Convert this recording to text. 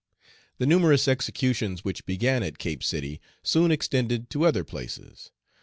The numerous executions which began at Cape City soon extended to other places.